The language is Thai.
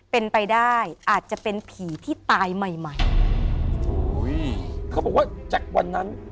เป็นไปได้อาจจะเป็นผีที่ตายใหม่ใหม่อุ้ยเขาบอกว่าจากวันนั้น